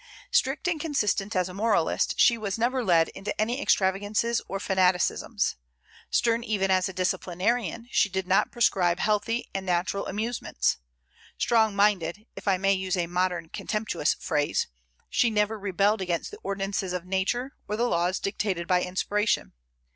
Strict and consistent as a moralist, she was never led into any extravagances or fanaticisms. Stern even as a disciplinarian, she did not proscribe healthy and natural amusements. Strong minded, if I may use a modern contemptuous phrase, she never rebelled against the ordinances of nature or the laws dictated by inspiration.